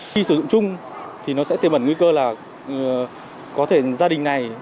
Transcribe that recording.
khi sử dụng chung thì nó sẽ tiềm ẩn nguy cơ là có thể gia đình này